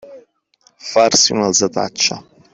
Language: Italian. Farsi un'alzataccia.